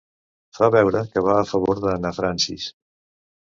Fa veure que va a favor de na Francis.